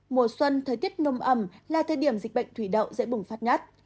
mùa xuân thời tiết nôm ẩm là thời điểm dịch bệnh thủy đậu dễ bùng phát nhất